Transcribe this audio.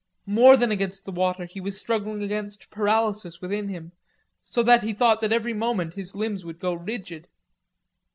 More than against the water, he was struggling against paralysis within him, so that he thought that every moment his limbs would go rigid.